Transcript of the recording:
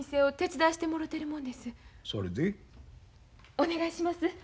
お願いします。